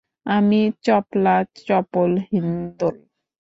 আমি চপলা-চপল হিন্দোল।